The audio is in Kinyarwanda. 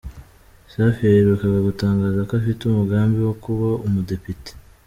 Safi yaherukaga gutangaza ko afite umugambi wo kuba umudepite.